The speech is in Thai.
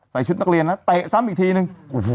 ใส่ชุดนักเรียนนะครับเตะซ้ำอีกทีหนึ่ง